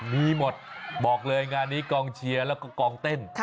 มีหมดบอกเลยงานนี้กองเชียร์แล้วก็กองเต้น